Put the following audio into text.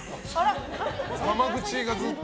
がま口がずっと。